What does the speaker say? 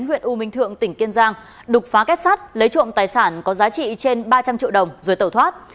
huyện u minh thượng tỉnh kiên giang đục phá kết sát lấy trộm tài sản có giá trị trên ba trăm linh triệu đồng rồi tẩu thoát